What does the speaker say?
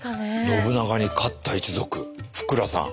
信長に勝った一族福羅さん。